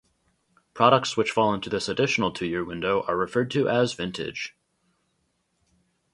Products which fall into this additional two-year window are referred to as Vintage.